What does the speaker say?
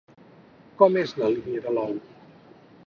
Com és la línia de l'ou?